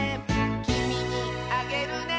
「きみにあげるね」